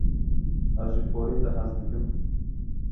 Ez ji porê te hez dikim.